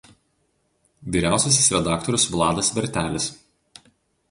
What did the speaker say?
Vyriausiasis redaktorius Vladas Vertelis.